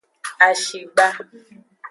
Ahigba.